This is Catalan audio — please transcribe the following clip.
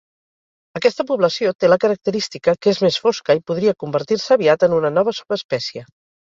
Aquesta població té la característica que és més fosca i podria convertir-se aviat en una nova subespècie.